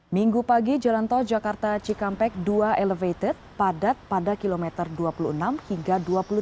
minggu pagi jalan tol jakarta cikampek dua elevated padat pada kilometer dua puluh enam hingga dua puluh tiga